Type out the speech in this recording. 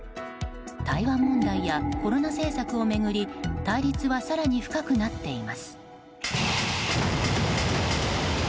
台湾問題や、コロナ政策を巡り対立は更に深くなっています。